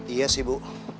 iya sih bu